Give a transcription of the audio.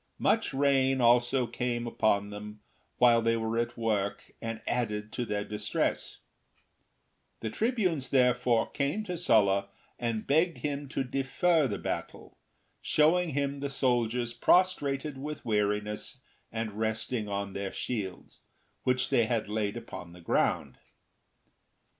Much rain also came upon them while they were at work and added to their distress, The tribunes therefore came to Sulla and begged him to defer the battle, showing him the soldiers prostrated with weariness and resting on their shields, which they had laid upon the ground.